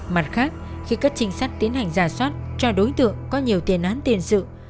mặt khác khi các chính sách tiến hành rà soát cho đối tượng có nhiều tiền án tiền sự